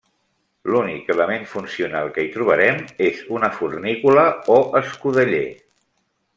L'únic element funcional que hi trobarem, és una fornícula o escudeller.